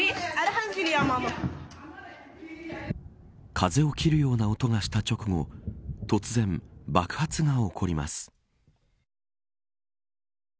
風を切るような音がした直後突然、爆発が起こります。